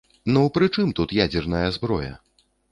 Ну пры чым тут ядзерная зброя?